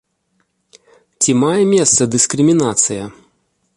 Ці мае месца дыскрымінацыя?